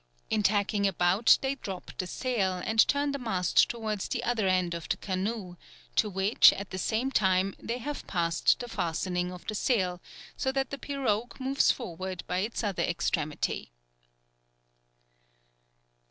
In tacking about they drop the sail, and turn the mast towards the other end of the canoe, to which, at the same time, they have passed the fastening of the sail, so that the pirogue moves forward by its other extremity.